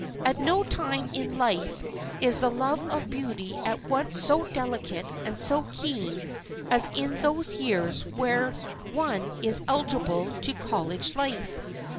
At no time in life is the love of beauty at once so delicate and so keen as in those years when one is eligible to college life.